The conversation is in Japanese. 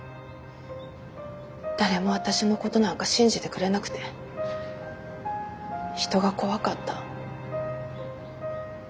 誰も私のことなんか信じてくれなくて人が怖かった。